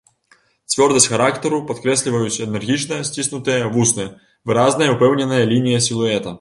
Цвёрдасць характару падкрэсліваюць энергічна сціснутыя вусны, выразная, упэўненая лінія сілуэта.